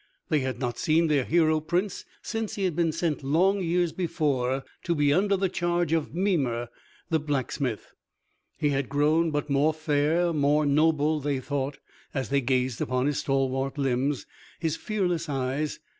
They had not seen their hero prince since he had been sent long years before to be under the charge of Mimer the blacksmith. He had grown but more fair, more noble, they thought, as they gazed upon his stalwart limbs, his fearless eyes.